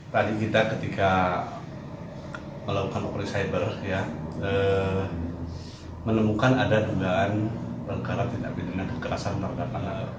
tadi kita ketika melakukan operasi cyber ya menemukan ada dugaan pengkaratidapi dengan kekerasan merdakan anak